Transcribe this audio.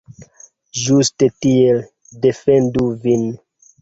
Ĝuste tiel, defendu vin!